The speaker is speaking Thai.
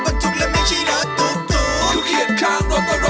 มันไม่ใช่ลดประหาสนุก